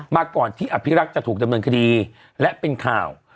มาก่อนที่อภิรักษ์จะถูกดำเนินคดีและเป็นข่าว